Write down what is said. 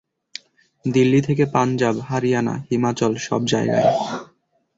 দিল্লি থেকে পাঞ্জাব, হারিয়ানা, হিমাচল সব জায়গায়।